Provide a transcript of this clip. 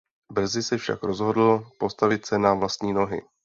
Brzy se však rozhodl postavit se na vlastní nohy.